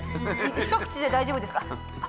一口で大丈夫ですか？